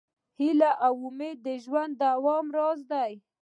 هیله او امید د ژوند د دوام راز دی.